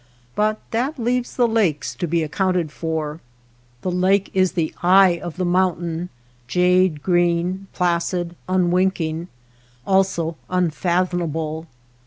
But that leaves the lakes to be accounted for. The lake is the eye of the mountain, jade green, placid, unwinking, also unfathom able.